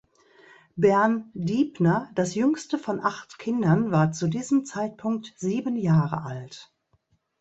Bern Dibner, das jüngste von acht Kindern, war zu diesem Zeitpunkt sieben Jahre alt.